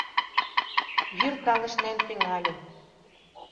Йӱр талышнен тӱҥале.